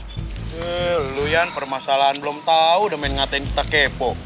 eh lo yen permasalahan belum tau udah main ngatain kita kepo